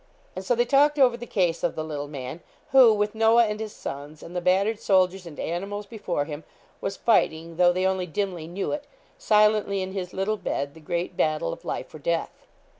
And so they talked over the case of the little man, who with Noah and his sons, and the battered soldiers and animals before him, was fighting, though they only dimly knew it, silently in his little bed, the great battle of life or death.